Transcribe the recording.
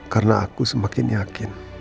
karena aku semakin yakin